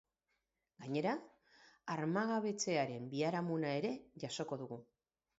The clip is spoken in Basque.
Gainera, armagabetzearen biharamuna ere jasoko dugu.